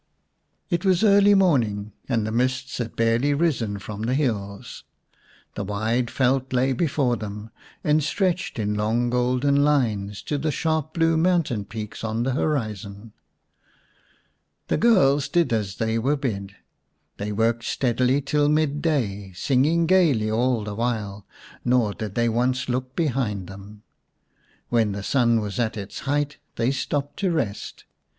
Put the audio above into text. It was early morning, and the mists had barely risen from the hills. The wide veld lay before them, and stretched in long golden lines to the sharp blue mountain peaks on the horizon. The girls did as they were bid. They worked steadily till mid day, singing gaily all the while ; nor did they once look behind them. When the sun was at its height they stopped to rest.